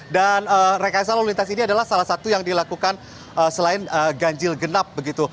rekayasa lalu lintas ini adalah salah satu yang dilakukan selain ganjil genap begitu